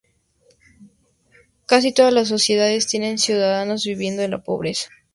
Casi todas las sociedades tienen ciudadanos viviendo en la pobreza.